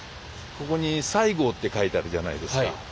ここに「西郷」って書いてあるじゃないですか。